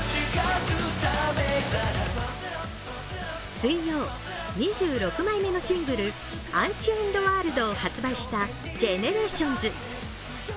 水曜、２６枚目のシングル「ＵｎｃｈａｉｎｅｄＷｏｒｌｄ」を発売したＧＥＮＥＲＡＴＩＯＮＳ。